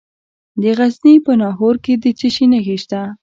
د غزني په ناهور کې د څه شي نښې شته؟